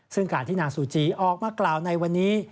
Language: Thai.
ซึ่งการที่นางซูจีออกมากล่าวในวันนี้